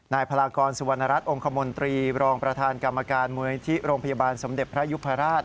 พลากรสุวรรณรัฐองคมนตรีรองประธานกรรมการมูลนิธิโรงพยาบาลสมเด็จพระยุพราช